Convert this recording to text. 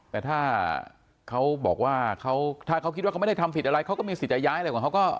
แต่ถ้าเขาบอกว่าถ้าเขาคิดว่าเขาไม่ได้ทำผิดอะไรเขาก็มีสิทธิ์ย้ายอะไรของเขาก็